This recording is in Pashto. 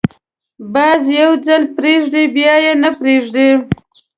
باز یو ځل پرېږدي، بیا یې نه پریږدي